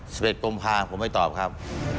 สำเร็จกรมภาคผมไม่ตอบครับ